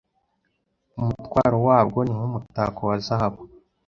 umutwaro wabwo ni nk’umutako wa zahabu,